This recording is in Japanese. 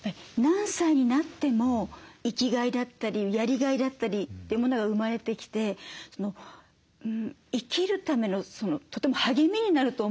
何歳になっても生きがいだったりやりがいだったりってものが生まれてきて生きるためのとても励みになると思うんですよね。